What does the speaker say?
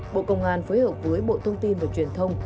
bộ công an phối hợp với bộ thông tin và truyền thông